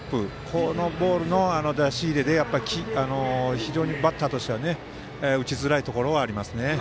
このボールの出し入れで非常にバッターとしては打ちづらいところはありますね。